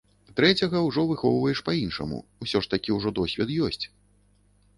Трэцяга ўжо выхоўваеш па-іншаму, усё ж такі ўжо досвед ёсць.